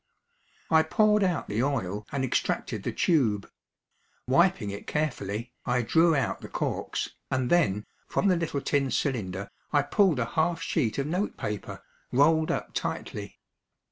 I poured out the oil and extracted the tube. Wiping it carefully, I drew out the corks, and then, from the little tin cylinder, I pulled a half sheet of note paper, rolled up tightly.